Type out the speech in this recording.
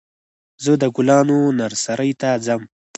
زه د ګلانو نرسرۍ ته ځم.